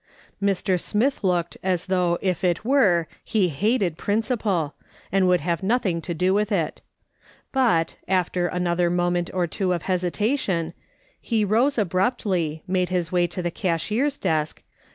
Mr. Smith looked as though if it were he hated principle, and would have nothing to do with it; but, after another moment or two of hesitation, he rosse abruptly, made his way to the cashier's desk, ]i